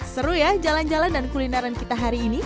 seru ya jalan jalan dan kulineran kita hari ini